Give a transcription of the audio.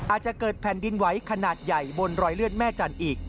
อาจจะเกิดแผ่นดินไหวขนาดใหญ่บนรอยเลือดแม่จันทร์อีก